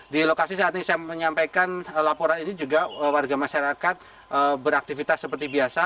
di lokasi saat ini saya menyampaikan laporan ini juga warga masyarakat beraktivitas seperti biasa